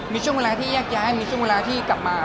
มีช่วงเวลาที่แยกย้ายมีช่วงเวลาที่กลับมา